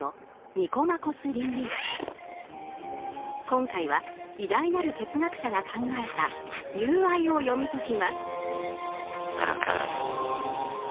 今回は偉大なる哲学者が考えた「友愛」を読み解きます。